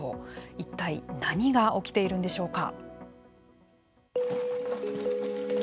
一体何が起きているんでしょうか。